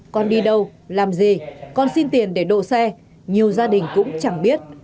con đi đâu làm gì con xin tiền để đổ xe nhiều gia đình cũng chẳng biết